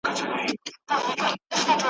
له خوشحال خان خټک څخه تر احمدشاه بابا ,